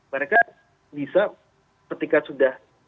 mereka bisa ketika sudah